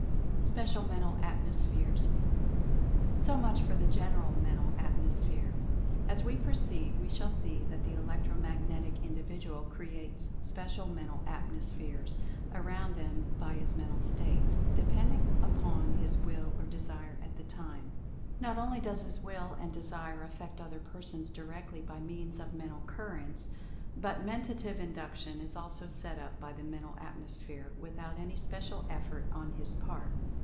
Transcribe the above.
SPECIAL MENTAL ATMOSPHERES. So much for the General Mental Atmosphere. As we proceed we shall see that the Electro Magnetic In 192 Mental Fascination dividual creates special Mental Atmospheres around him by his Mental States, depending upon his Will or Desire at the time. Not only does his Will and Desire affect other persons directly by means of Men tal Currents, but Mentative Induction is also set up by the Mental Atmosphere, without any special ef fort on his part.